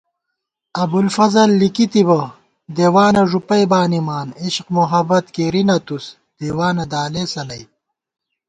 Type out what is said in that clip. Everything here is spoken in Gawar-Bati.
ابُوالفضل لِکی تِبہ، دیوان ݫُوپَئ بانِمان * عشق محبت کېرِی نہ تُوس، دیوانہ دالېسہ نئ